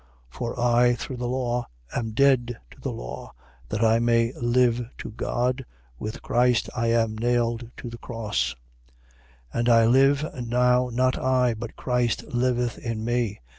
2:19. For I, through the law, am dead to the law, that I may live to God; with Christ I am nailed to the cross. 2:20. And I live, now not I: but Christ liveth in me.